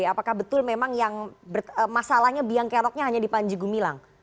apakah betul memang yang masalahnya biang keroknya hanya di panji gumilang